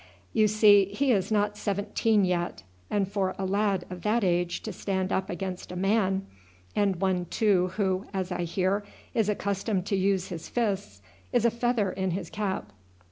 You see, he is not seventeen yet, and for a lad of that age to stand up against a man and one too who, as I hear, is accustomed to use his fists is a feather in his cap.